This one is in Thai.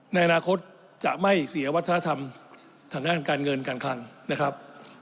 ในอนาคตจะไม่เสียวัฒนธรรมทางด้านการเงินการคลังนะครับ